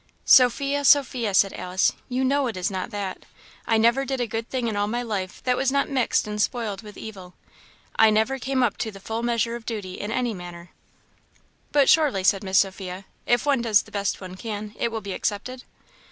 "Sophia, Sophia!" said Alice "you know it is not that. I never did a good thing in all my life that was not mixed and spoiled with evil. I never came up to the full measure of duty in any matter." "But surely," said Miss Sophia, "if one does the best one can, it will be accepted?"